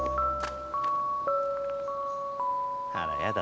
あらやだ